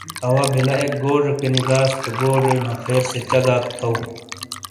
اَوا بَلہ اِک گوجیکینی گاس تو گوجیئی مَپھیر سے چَگاک تھو ۔